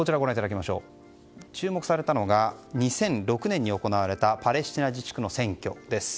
注目されたのが２００６年に行われたパレスチナ自治区の選挙です。